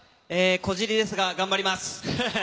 小尻ですが頑張ります。